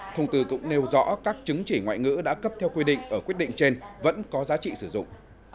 thông tư cũng nêu rõ các chứng chỉ ngoại ngữ đã cấp theo quy định ở quyết định trên vẫn có giá trị sử dụng